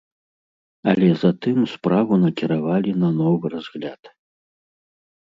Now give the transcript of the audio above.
Але затым справу накіравалі на новы разгляд.